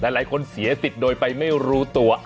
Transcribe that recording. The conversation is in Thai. หลายคนเสียสิทธิ์โดยไปไม่รู้ตัว